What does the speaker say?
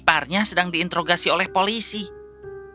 periapun bisa turun silakan diangkat